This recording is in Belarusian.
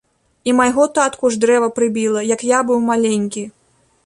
І майго татку ж дрэва прыбіла, як я быў маленькі.